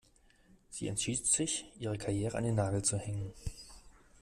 Sie entschied sich, ihre Karriere an den Nagel zu hängen.